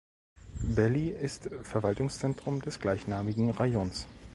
Bely ist Verwaltungszentrum des gleichnamigen Rajons.